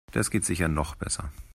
Das geht sicher noch besser.